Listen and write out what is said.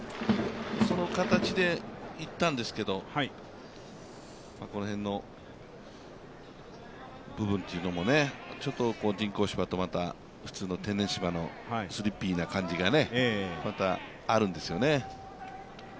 その形でいったんですけど、この辺の部分というのもねちょっと人工芝と、普通の天然芝のスリッピーな感じがまた、あるんですよね。